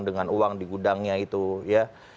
dengan uang di gudangnya itu ya